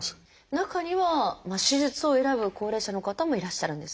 中には手術を選ぶ高齢者の方もいらっしゃるんですか？